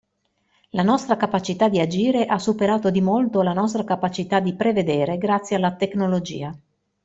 La nostra capacità di agire ha superato di molto la nostra capacità di prevedere grazie alla tecnologia.